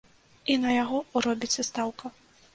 І на яго робіцца стаўка.